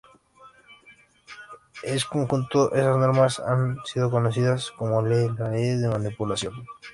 En conjunto, esas normas han sido conocidas como las leyes de impunidad.